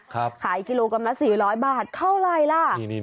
ขายกิโลกรัมละ๔๐๐บาทเท่าไหร่ล่ะ